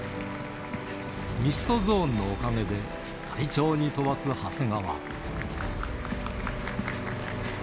ミストゾーンのおかげで、快調に飛ばす長谷川。